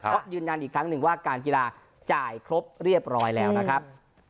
เพราะยืนยันอีกครั้งหนึ่งว่าการกีฬาจ่ายครบเรียบร้อยแล้วนะครับ